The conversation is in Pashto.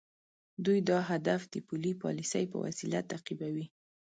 دوی دا هدف د پولي پالیسۍ په وسیله تعقیبوي.